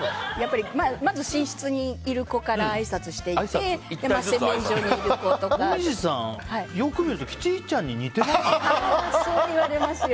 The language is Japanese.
まず寝室にいる子にあいさつしていって紅葉さん、よく見るとキティちゃんに似てますよね。